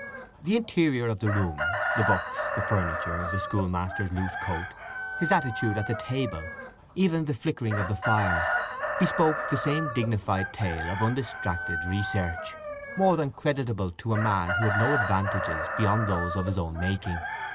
The interior of the room—the books, the furniture, the schoolmaster's loose coat, his attitude at the table, even the flickering of the fire, bespoke the same dignified tale of undistracted research—more than creditable to a man who had had no advantages beyond those of his own making.